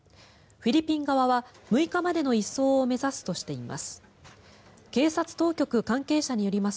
フィリピン側は６日までの移送を目指すとしています。